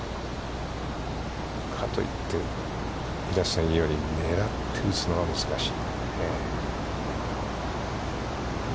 かといって、平瀬さんが言うように、狙って打つのは難しい。